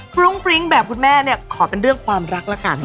ฟรุ้งฟริ้งแบบคุณแม่เนี่ยขอเป็นเรื่องความรักละกัน